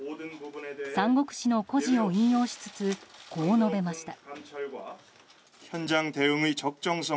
三国志の故事を引用しつつこう述べました。